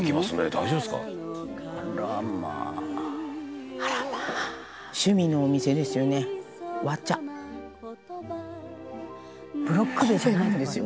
「大丈夫ですか？」「あらまあ」「趣味のお店ですよね。和茶」「カフェなんですよ。